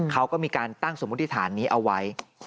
เขาก็มีการตั้งสมมุติฐานนี้เอาไว้